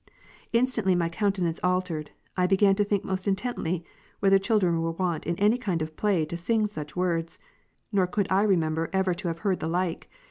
Instantly, my countenance altered, I began to think most intently, whether children were wont in any kind of play to sing such words : nor could I remember ever to have heard the like.